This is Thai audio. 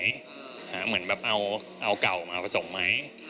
เหมือนแบบเอาเก่ามาผสมไหม